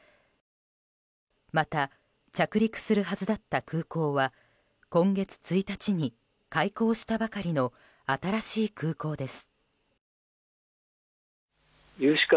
また、着陸するはずだった空港は今月１日に開港したばかりの新しい空港です。